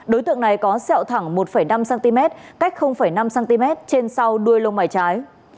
đối tượng này có xeo thẳng một năm cm cách năm cm trên sau đuôi lông mải trái